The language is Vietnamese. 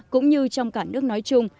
cũng như trong cả nước nói chung